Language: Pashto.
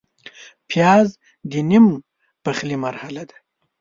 پیاز د نیم پخلي مرحله ده